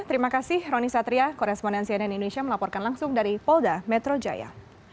terima kasih roni satria korespondensi ann indonesia melaporkan langsung dari polda metro jaya